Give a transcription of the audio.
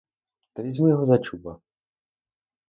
Та візьми його за чуба!